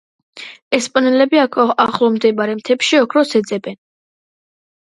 ესპანელები აქ ახლომდებარე მთებში ოქროს ეძებდნენ.